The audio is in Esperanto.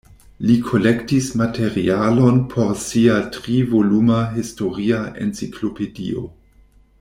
Li kolektis materialon por sia tri voluma historia enciklopedio.